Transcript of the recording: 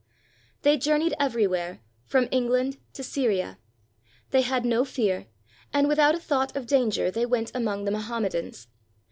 They journeyed everywhere, from England to Syria. They had no fear, and without a thought of danger they went among the Mohammedans.